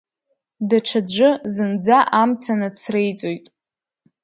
Даҽаӡәы зынӡа амца нацреиҵоит.